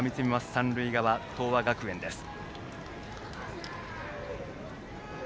三塁側、東亜学園です。